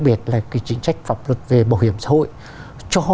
biệt là cái chính sách pháp luật về bảo hiểm xã hội cho